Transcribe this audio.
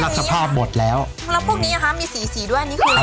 สวยงามเยอะเลยค่ะ